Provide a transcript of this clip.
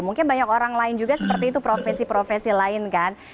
mungkin banyak orang lain juga seperti itu profesi profesi lain kan